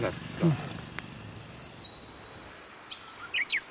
うん。